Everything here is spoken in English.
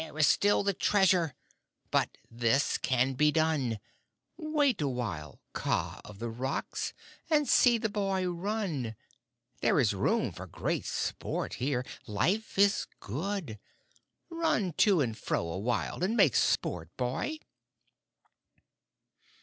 "There is still the Treasure. But this can be done. Wait a while, Kaa of the Rocks, and see the boy run. There is room for great sport here. Life is good. Run to and fro a while, and make sport, boy!"